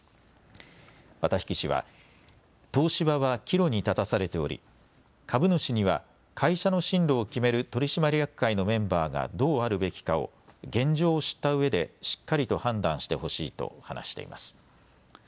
綿引氏は東芝は岐路に立たされており株主には会社の進路を決める取締役会のメンバーがどうあるべきかを現状を知ったうえでしっかりと判断してほしいと話しています。